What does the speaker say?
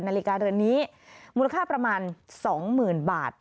นาฬิกาเรือนนี้มูลค่าประมาณ๒๐๐๐บาท